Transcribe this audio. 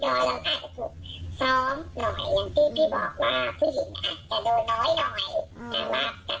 ถ้าว่าจะเป็นกับเอเซ็นซี่จะเป็นกับซื้อจะเป็นอะไรอย่างนั้นก็จะโดนนักหน่อย